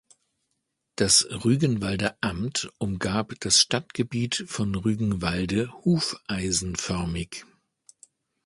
Das Rügenwalder Amt umgab das Stadtgebiet von Rügenwalde hufeisenförmig.